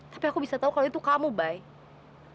tapi aku bisa tahu kalau itu kamu baik